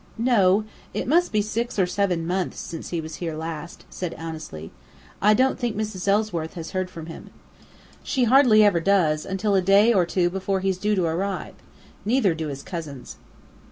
"No. It must be six or seven months since he was here last," said Annesley. "I don't think Mrs. Ellsworth has heard from him. She hardly ever does until a day or two before he's due to arrive; neither do his cousins."